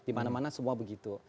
di mana mana semua begitu